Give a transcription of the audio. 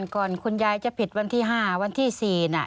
คุณยายจะผิดวันที่๕วันที่๔น่ะ